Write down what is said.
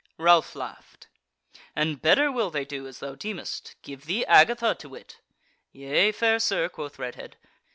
Ralph laughed: "And better will they do, as thou deemest; give thee Agatha, to wit?" "Yea, fair sir," quoth Redhead.